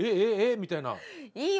みたいな。